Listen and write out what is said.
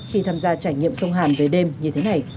khi tham gia trải nghiệm sông hàn về đêm như thế này